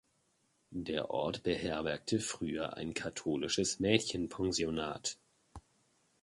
Der Ort beherbergte früher ein katholisches Mädchenpensionat.